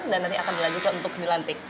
dan nanti akan dilanjutkan untuk ke milantik